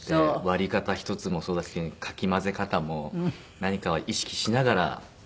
割り方１つもそうだしかき混ぜ方も何かを意識しながら。